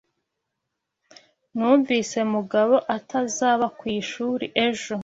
Numvise Mugabo atazaba ku ishuri ejo.